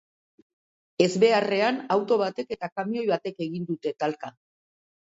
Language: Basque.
Ezbeharrean, auto batek eta kamioi batek egin dute talka.